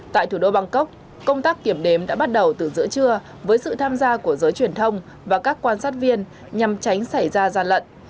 tại thủ đô bangkok công tác kiểm đếm đã bắt đầu từ giữa trưa với sự tham gia của giới truyền thông và các quan sát viên nhằm tránh xảy ra gian lận